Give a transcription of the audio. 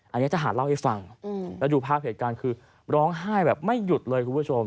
อันนี้ทหารเล่าให้ฟังแล้วดูภาพเหตุการณ์คือร้องไห้แบบไม่หยุดเลยคุณผู้ชม